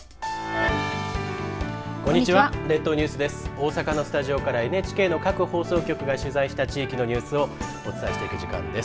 大阪のスタジオからＮＨＫの各放送局が取材した地域のニュースをお伝えしていく時間です。